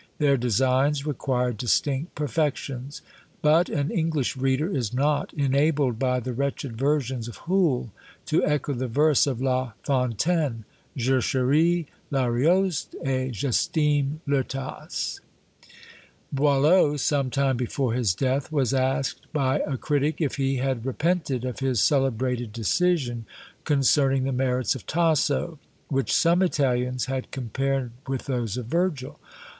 Their designs required distinct perfections. But an English reader is not enabled by the wretched versions of Hoole to echo the verse of La Fontaine, "JE CHERIS L'Arioste et J'ESTIME le Tasse." Boileau, some time before his death, was asked by a critic if he had repented of his celebrated decision concerning the merits of Tasso, which some Italians had compared with those of Virgil?